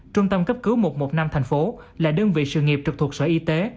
trung tâm cấp cứu một trăm một mươi năm thành phố là đơn vị sự nghiệp trực thuộc sở y tế